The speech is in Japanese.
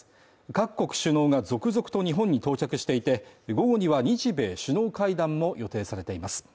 各国首脳が続々と日本に到着していて、午後には日米首脳会談も予定されています。